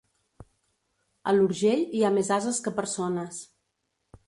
A l'Urgell, hi ha més ases que persones.